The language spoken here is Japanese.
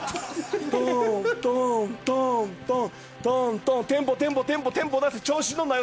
トントントントントントンテンポテンポテンポ出す調子乗んなよ